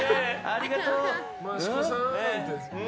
ありがとう！